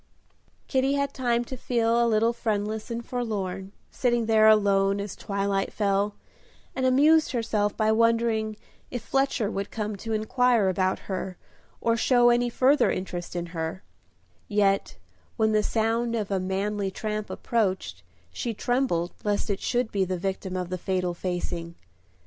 Kitty had time to feel a little friendless and forlorn, sitting there alone as twilight fell, and amused herself by wondering if Fletcher would come to inquire about her, or show any further interest in her; yet when the sound of a manly tramp approached, she trembled lest it should be the victim of the fatal facing.